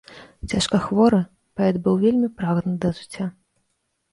Цяжка хворы, паэт быў вельмі прагны да жыцця.